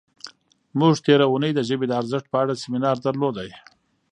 موږ تېره اونۍ د ژبې د ارزښت په اړه سیمینار درلود.